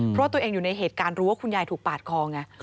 เพราะตัวเองอยู่ในเหตุการณ์รู้ว่าคุณยายถูกปาดคอไง